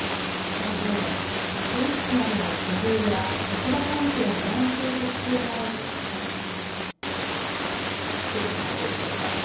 その上で保育士などの処遇や職場環境を見直していく必要があると指摘します。